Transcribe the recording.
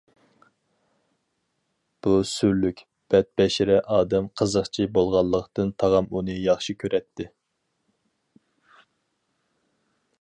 بۇ سۈرلۈك، بەتبەشىرە ئادەم قىزىقچى بولغانلىقتىن تاغام ئۇنى ياخشى كۆرەتتى.